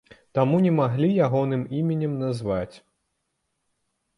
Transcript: Таму не маглі ягоным іменем назваць.